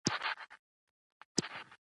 د خوست دواخانو لین بر سر کې